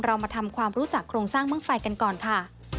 เรามาทำความรู้จักโครงสร้างบ้างไฟกันก่อนค่ะ